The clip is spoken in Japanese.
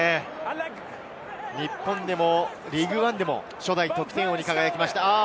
日本でもリーグワンでも初代得点王に輝きました。